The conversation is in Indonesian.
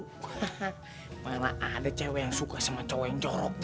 karena ada cewek yang suka sama cowok yang jorok